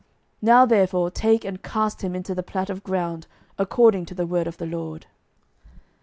Now therefore take and cast him into the plat of ground, according to the word of the LORD.